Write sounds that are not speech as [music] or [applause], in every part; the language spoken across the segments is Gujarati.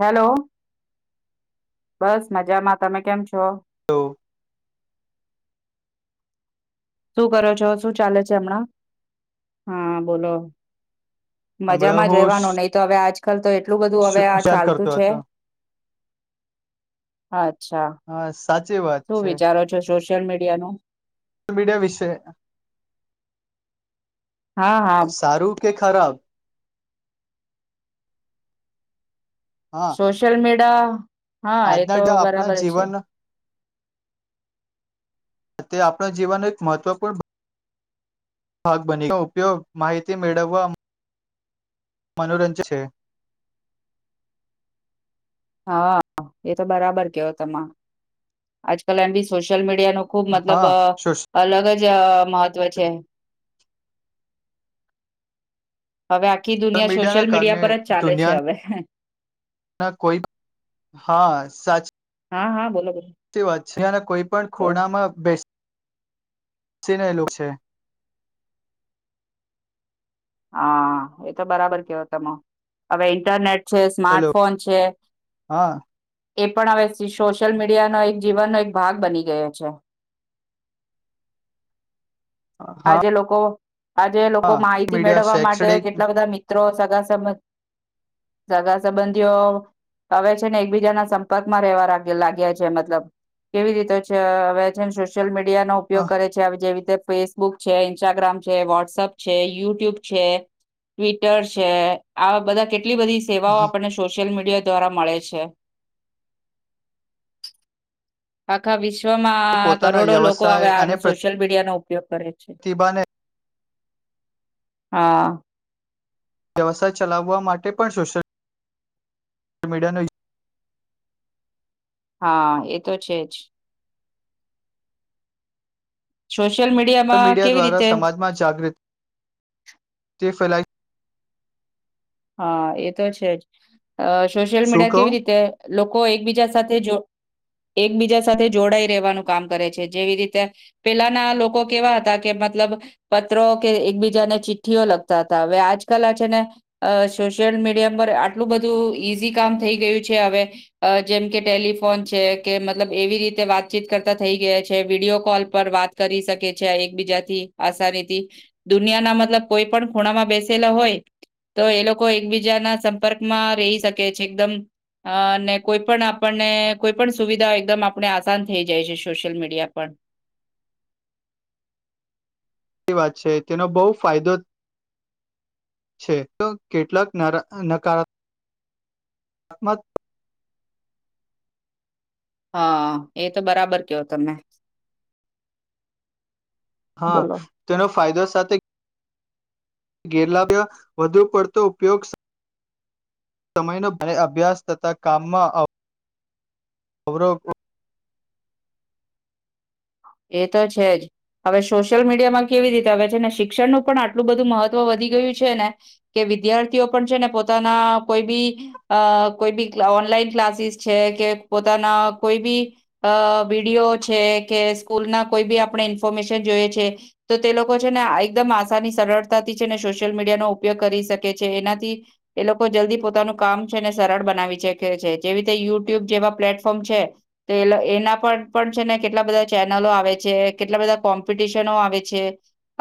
હેલો બસ મજામાં તમે કેમ છો તો શું કરો છો શું ચાલે છે હમણાં હા બોલો હમણાં મજામાં જ હું રેવાનો નહી તો હવે આજ [unintelligible] એટલું બધું હવે આ શેર ચાલતું કરતો છે હતો હા હાશ શું વિચારો છો સુસ સોશલ મીડિયાનું સોશિયલ મીડિયા વિશે હા હા સારું કે ખરાબ હા સોશિલ મીડિ દા હા એ તો આજના આપણા બરાબર છે જીવન તે આપણ જીવન એક મહત્વપૂર્ણ ભાગ બની ઉપયોગ માહિતી મેળવવા મનોરંજ છે હા એ તો બરાબર કેવ તમાં આજ કલ એમ બી સોશિલ મીડિ તેનો ખુબ મતલબ હા સોશિયલ અલગ જ [unintelligible] મહત્વ છે હવે આખી દુનિયા મીડિયાના સોશિયલ મીડિયા કારણે પર જ ચાલે છે હવે ના કોઈ હા સચ. હા હા બોલોો. સ વાત છે જ કોઈ પણ ખોડામાં બેસ. સીને એલો છે. હા એ તો બરાબર કેવ તમે હવે ઇન્ટરનેટ. છે હેલો સ્માર્ટફોન છે. હા એ પણ હવે સોશિયલ મીડિયાનોો એક જીવનનો એક ભાગ બની ગયો છે. હા આજે લોકો. આજે લોકો હા. માહિત. મીડિયા મેળવવા માટે શૈક્ષણિક કેટલા બધા મિત્રો સાથે. સગા સંબંધી હવે છેને એકબીજાના સંપર્કમાં રહેવા લાગ્યા છે મતલબ કેવી રીતે છે હવે છેને સોશિયલ મીડ. નો ઉપયોગ કરે છે જેવી રીતે. ફેસબુક છે ઇન્સ્ટાગ્રામ છે વોટ્સએપ છે યુટ્યુબ. યુટ્યુબ છે ટ્વિટર છે આવા બધા. કેટલી બધી સેવાઓ આપણે સોશિયલ મીડિયા. દ્વા મળે છે આખા વિ. વિશ્વમાં પોતાના કરોડો લોકો વ્યવસાય હવે અને આનો સોશિયલ મીડિયાનોો ઉપયોગ કરે છે. પ્રતિભાને હા. [unintelligible] વ્યવસાય ચલાવવા માટે પણ સોશિલ. મીડિયાનું. હા એ તો છે જ. શશ. [unintelligible] સોશિલ મીડિયા દ્વારા સમાજમાં જાગૃત. તે ફેલાઈ. હા એ તો છે જ. અ સોશિયલ શું મીડિયા કહું કેવી રીતે લોકો એકબીજા સાથે જો. એકબીજા સાથે જોડાઈ રહેવાનું કામ કરે છે જેવી રીતે પેલાના લોકો કેવા હતા કે મતલબ પત્રો કે એકબીજાને ચિઠ્ઠીઓ લખતા હતા હવે આજકાલ આ છે ને. અ સોશિયલ મીડિયા પર આટલું બધું ઈઝી કામ થઈ ગયું છે હવે જેમ કે ટેલિફોન છે કે મતલબ એવી રીતે વાતચીત કરતા થઈ ગયા છે વિડીિયો કોલ પર વાત કરી શકે છે એકબીજાથી આસાનીથી દુનિયાના મતલબ કોઈ પણ ખૂણામાં બેસેલા હોય. તો એ લોકો એકબીજાના સંપર્કમાં રહી શકે છે એકદમ અને કોઈ પણ આપણને કોઈ પણ સુવિધા એકદમ આપણે આસાન થઈ જાય છે સોશિયલ મીડિયા પર. વાત છે તેનો બહુ ફાયદો. છે તો કેટલાક નકારામ. મત [unintelligible] હા એ તો બરાબર કયો તને. હા તેનો ફાયદો. સાથેત. ગેરલાવ્ય વધુ પડતો ઉપયોગ સમયનો ભારે અભ્યાસ તથા કામમાં આવ. ખબરો. એ તો છે જ હવે સોશિયલ મીડિયામાં કેવી રીતે હવે છે ને શિક્ષણનું પણ આટલું બધું મહત્વ વધી ગયું છે ને કે વિદ્યાર્થીઓ પણ છે ને પોતાના કોઈ બી અ કોઈ બી ઓનલાઈન ક્લાસીસ છે કે પોતાના કોઈ બી વિડીિયો છે કે. સ્કૂલ ના કોઈ બી આપણે ઇન્ફોર્મેશન જોઈએ છે તો તે લોકો છે ને એકદમ આસાની સરળતાથી છે ને સોશિયલ મીડિયાનોો ઉપયોગ કરી શકે છે એનાથી એ લોકો જલ્દી પોતાનું કામ છે ને સરળ બનાવી શકે છે જેવી રીતે યુટ્યુબ જેવા પ્લેટફોર્મ છે તો એ એના પર પણ છે ને કેટલા બધા. ચેનલો આવે છે, કેટલા બધા કોમ્પિટિશનો આવે છે.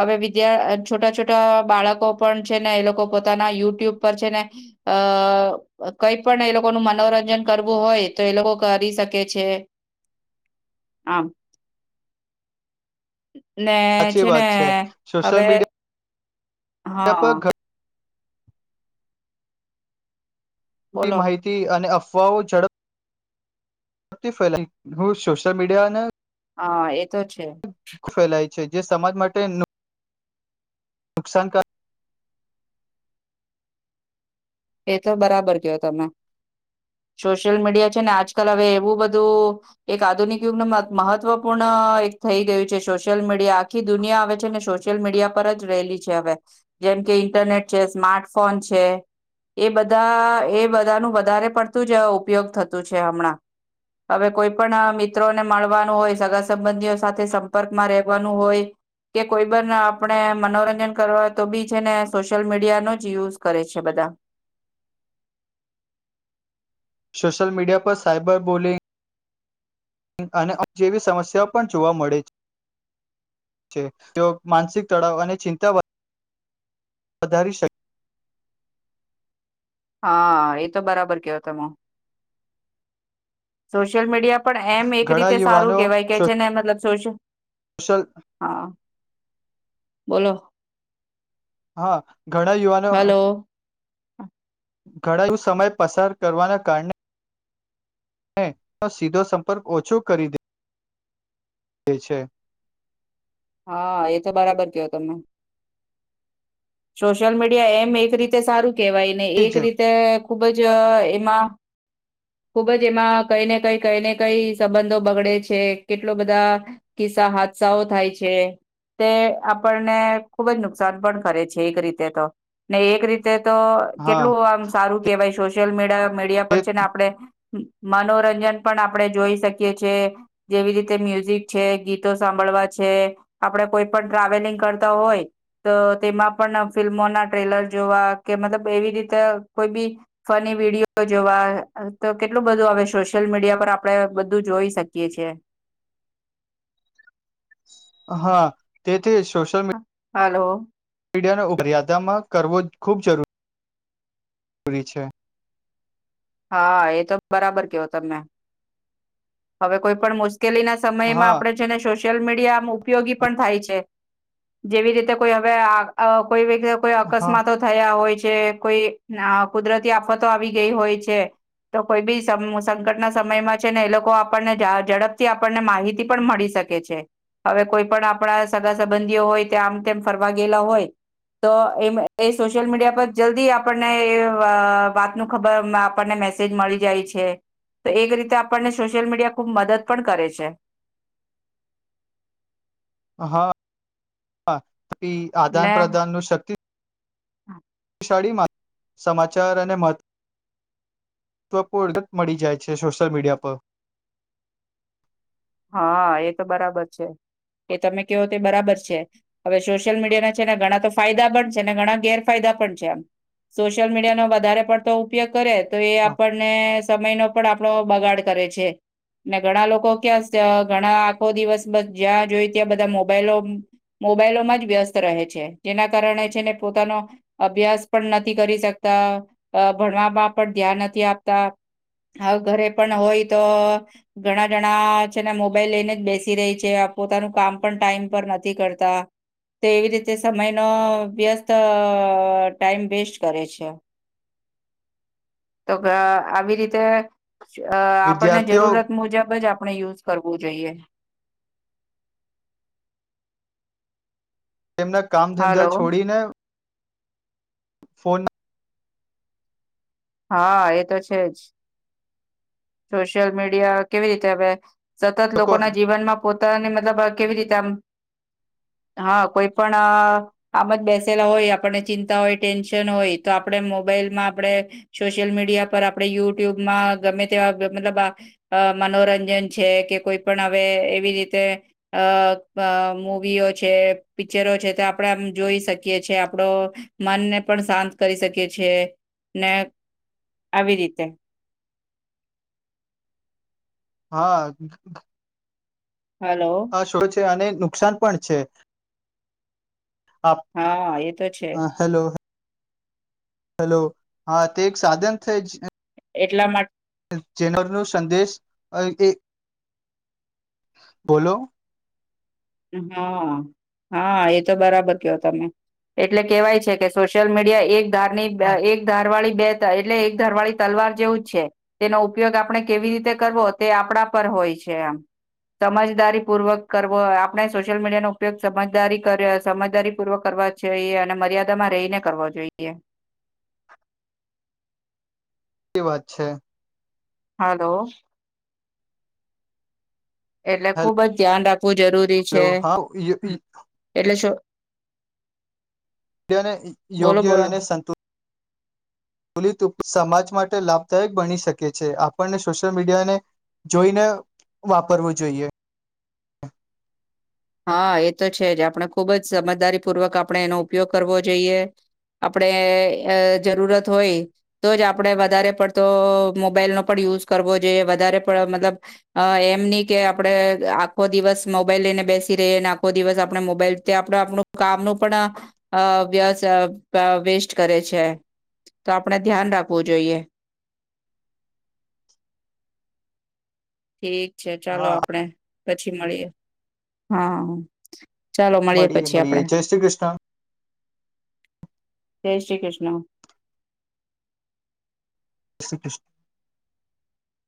હવે બીજા છોટા છોટા બાળકો પણ છે ને એ લોકો પોતાના યુટ્યુબ પર છેને અ કઈ પણ એ લોકોનું મનોરંજન કરવું હોય તો એ લોકો કરી શકે છે આમ ને સાચી છે વાત ને સોશિયલ મીડિયા હવે પર ઘણી હહ ટી બોલો માહિતી અને અફ અફવાઓ ઝડપ થી ફેલાઈ હું સોશિયલ મીડિયાને હા એ તો છે ફેલાય છે જે સમાજ માટે નુકસાનકાર એ તો બરાબર કયો તમે સોશિયલ મીડિયા છે ને આજકલ હવે એવું બધું એક આધુનિક યુગનું મ મહત્વપૂર્ણ એક થઈ ગયું છે. સોશિયલ મીડિયા આખી દુનિયા હવે છે ને સોશિયલ મીડિયા પર જ રહેલી છે હવે જેમ કે ઈન્ટરનેટ છે, સ્માર્ટફોન છે એ બધા એ બધાનું વધારે પડતું જ ઉપયોગ થતું છે હમણાં હવે કોઈ પણ મિત્રોને મળવાનું હોય સગા સંબંધીઓ સાથે સંપર્કમાં રહેવાનું હોય કે કોઈ પણ આપણે મનોરંજન કરવા તો બી છે ને સોશિયલ મીડિયાનો જ યુઝ કરે છે બધા સોશિયલ મીડિયા પર સાયબર બોલિંગ અને જેવી સમસ્યાઓ પણ જોવા મળે છે. તે માનસિક તળાવ અને ચિંતા વધારી શકે હા એ તો બરાબર કયો તમે સોશિયલ મીડિયા પણ એમ એક ઘણા રીતે સારું યુવાનો કેવાય કે જેને મતલબ સોશ સોશલ હા બોલો હા ઘણા યુવાનો [inaudible] હા ઘણાયું સમય પસાર કરવાના કારણે મે નો સીધો સંપર્ક ઓછો કરી દે દે છે. [inaudible] હા એ તો બરાબર કયો તમે. સોશિયલ મીડિયા એમ એક રીતે સારું કેવાય ને એક જ રીતે ખુબ જ એમાં ખુબ જ એમાં કઈ ને કઈ કઈ ને કઈ સંબંધો બગડે છે, કેટલો બધા કિસ્સા હાદસાઓ થાય છે, તે આપણને ખુબ જ નુકસાન પણ કરે છે એક રીતે તો ને એક રીતે તે તો હા કેટલું આમ સારું કેવાય શો [inaudible] મીડિયા તે પણ છે ને આપણે મનોરંજન પણ આપણે જોઈ શકીએ છે જેવી રીતે મ્યુઝિક છે, ગીતો સાંભળવા છે, આપડે કોઈ પણ ટ્રાવેલિંગ કરતા હોય તો તેમાં પણ ફિલ્મો ના ટ્રેલર જોવા કે મતલબ એવી રીતે કોઈ બી ફની વિડીયો જોવા તો કેટલું બધું હવે સોશિયલ મીડિયા પર આપડે બધું જોઈ શકીએ છીએ. હા તે તે સોશિયલ હલો મીડિયાનો ઉપ મર્યાદામાં કરવો ખૂબ જરૂ જરૂરી છે. હા એ તો બરાબર કયો તમે હવે કોઈ પણ મુસ કેલી ના સમયમાં હા આપણે જેને સોસ સોશિયલ મીડિયા આમ ઉપયોગી પણ થાય છે. જેવી રીતે કોઈ હવે આ અ કોઈ વ્યક્ કોઈ હા અકસ્માતો થયા હોય છે. જે કોઈ કુદરતી આફતો આવી ગઈ હોય છે તો કોઈ બી સમ સંકટના સમયમાં છે ને એ લોકો આપણને જા ઝડપથી આપણને માહિતી પણ મળી શકે છે. હવે કોઈ પણ આપણા સગા સંબંધીઓ હોય તે આમ તેમ ફરવા ગેલા હોય તો એ એ સોશિયલ મીડિયા પર જલ્દી આપણને એ વા વાતનું ખબર આપણને મેસેજ મળી જાય છે. તો એક રીતે આપણને સોશિયલ મીડિયા ખૂબ મદદ પણ કરે છે. હા. આદાન ને પ્રદાન નું શક્તિ [inaudible] શાળી સમાચાર અને મહત્વપૂર્ણ મળી જાય છે સોશિયલ મીડિયા પર. હા એ તો બરાબર છે એ તમે કેવો તે બરાબર છે હવે સોશિયલ મીડિયા ના છે ને ઘણા તો ફાયદા પણ છે ને ઘણા ગેરફાયદા પણ છે એમ સોશિયલ મીડિયાનો વધારે પડતો ઉપયોગ કરે તો એ આપણને સમય નો પણ આપ આપડો બગાડ કરે છે ઘણા લોકો ક્યાં ઘણા આખો દિવસ જ્યાં જોઈ ત્યાં બધા મોબાઈલો મોબાઈલોમાં જ વ્યસ્ત રહે છે. જેના કારણે છેને પોતાનો અભ્યાસ પણ નથી કરી શકતા. ભણવામાં પણ ધ્યાન નથી આપતા ઘરે પણ હોય તો ઘણા જણા છે ને મોબાઈલ લઈને જ બેસી રે છે પોતાનું કામ પણ ટાઈમ પર નથી કરતા તો એવી રીતે સમયનો વ્યસ્ત ટાઈમ વેસ્ટ કરે છે. તો આવી રીતે અ આપણને વિદ્યાર્થીઓ જરૂરત મુજબ જ આપ ડે યુઝ કરવું જોઈએ. તેમના કામ ધંધા હલો છોડીને ફોન હા એ તો છે જ સોશિયલ મીડિયા કેવી રીતે હવે સતત લોકોના જીવનમાં પો તાની મતલબ કેવી રીતે આમ હા કોઈ પણ આમ જ બેસેલા હોય આપણને ચિંતા હોય ટેન્શન હોય તો આપણે મોબાઈલમાં આપણેે સોશિયલ મીડિયા પર આપણે યુટ્યુબમાં ગમે તેવા મતલબ મનોરંજન છે. કે કોઈ પણ હવે એવી રીતે અ મુવીઓ છે પિક્ચરો છે. તે આપણે આમ જોઈ શકીએ છે આપડો મનને પણ શાંત કરી શકીએ છે. ને આવી રીતે હા. હલો હા શું છે અને નુકસાન પણ છે. આપ હા એ તો છે હ હેલો હલો હા તે એક સાધન [unintelligible] એટલા મા જીવન નો સંદેશ એ બોલો હા હા એ તો બરાબર કયો તમે એટલે કેવાય છે કે સોશિયલ મીડિયા એક ધાર ની એક ધાર વાળી બે એટલે એક ધરવાળી તલવાર જેવું જ છે તેનો ઉપયોગ આપણે કેવી રીતે કરવો તે આપણા પર હોય છે સમજદારી પૂર્વક કરવો આપણે સોશિયલ મીડિયાનો ઉપયોગ સમજદારી સમજદારી પૂર્વક કરવા જોઈએ અને મર્યાદામાં રહીને કરવા જોઈએ. એ વાત છે. હલો એટલે ખુબ જ ધ્યાન રાખ વું જરૂરી છે. હેલો હા એટલે શું સૂર્યને બોલો યોગ્ય બોલો અને સંતુ લીત સમાજ માટે લાભદાયક બની શકે છે. આપણને સોશિયલ મીડિયાને જોઈને વાપરવું જોઈએ. હા એ તો છે જ આપણે ખુબ જ સમજદારીપૂર્વક આપણે એનો ઉપયોગ કરવો જોઈએ આપડે જરૂરત હોય તો જ આપણેે વધારે પડતો મોબાઈલનોો પણ યુઝ કરવો જોઈએ વધારેડ મતલબ એમ નહી કે આપણે આખો દિવસ મોબાઈલ લઈને બેસી ખો દિવસ આપ મોબાઈલ આપ કામનું પણ વેસ્ટ કરે છે તો આપ ધન રાખવું જોઈએ. ઠીક છે ચાલો હા આપડે પછી મળીએ. હા. ચાલો મળીએ પછી મળીએ આપણે. જય શ્રી કૃષ્ણ. જય શ્રી કૃષ્ણ. [inaudible]